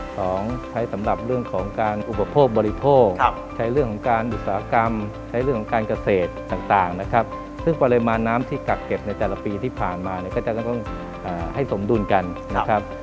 สองใช้สำหรับเรื่องของการอุปโภคบริโภคใช้เรื่องของการอุตสาหกรรมใช้เรื่องของการเกษตรต่างนะครับซึ่งปริมาณน้ำที่กักเก็บในแต่ละปีที่ผ่านมาเนี่ยก็จะต้องให้สมดุลกันนะครับ